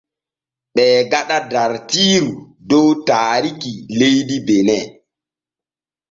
Ɓee gaɗa dartiiru dow taarikki leydi Bene.